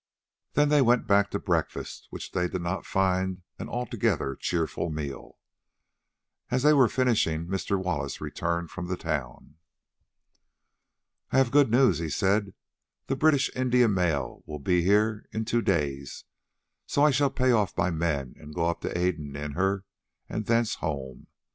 Then they went back to breakfast, which they did not find an altogether cheerful meal. As they were finishing, Mr. Wallace returned from the town. "I have got good news," he said; "the British India mail will be here in two days, so I shall pay off my men and go up to Aden in her, and thence home.